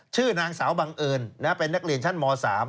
ชื่อนางสาวบังเอิญเป็นนักเรียนชั้นม๓